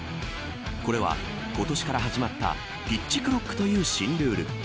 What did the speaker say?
これは、今年から始まったピッチクロックという新ルール。